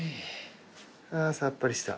ああ、さっぱりした。